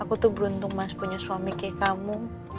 aku tuh beruntung mas punya suami kayak kamu